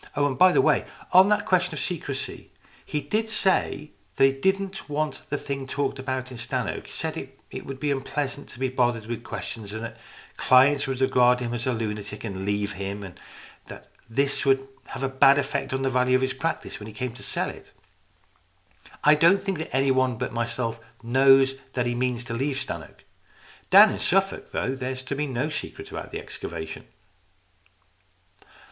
Oh, by the way, on that question of secrecy he did say that he didn't want the thing talked about in Stannoke, said it would be unpleasant to be bothered with questions, and that clients would regard him as a lunatic and leave him, and that this would have a bad effect on the value of his practice when he came to sell it. I don't think that anybody but myself knows that he means to leave Stannoke. Down in Suffolk, though, there is to be no secret about the excavation."